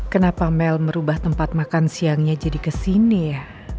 kenapa mel merubah tempat makan siangnya jadi kesini ya